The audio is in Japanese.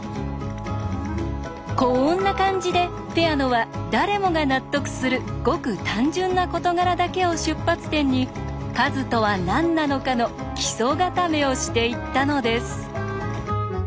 こんな感じでペアノは誰もが納得するごく単純な事柄だけを出発点に「数」とは何なのかの基礎固めをしていったのです。